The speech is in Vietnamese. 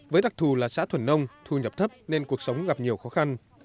với đặc thù là xã thuần nông thu nhập thấp nên cuộc sống gặp nhiều khó khăn